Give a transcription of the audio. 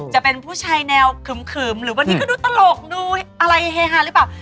จะเป็นผู้ชายแนวขึมหรือบางทีก็ดูตลกดูอะไรเฮฮาหรือเปล่า